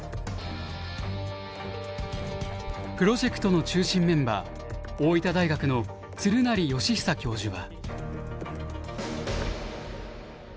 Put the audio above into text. プロジェクトの中心メンバー大分大学の鶴成悦久教授は。